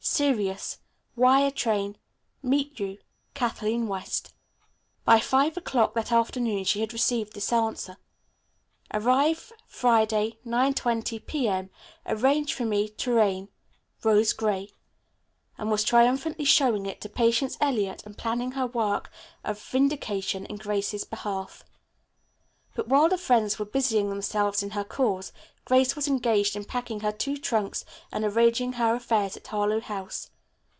Serious. Wire train. Meet you. Kathleen West." By five o'clock that afternoon she had received this answer: "Arrive Friday, 9.20 P.M. Arrange for me, Tourraine. Rose Gray," and was triumphantly showing it to Patience Eliot and planning her work of vindication in Grace's behalf. But while her friends were busying themselves in her cause Grace was engaged in packing her two trunks and arranging her affairs at Harlowe House.